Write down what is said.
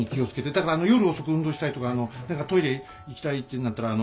だから夜遅く運動したりとかあの何かトイレ行きたいっていうんだったらあの。